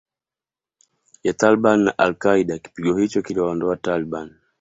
ya Taliban na Al Qaeda Kipigo hicho kiliwaondoa Taliban